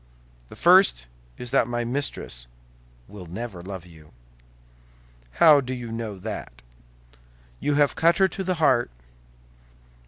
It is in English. "The first is that my mistress will never love you." "How do you know that?" "You have cut her to the heart."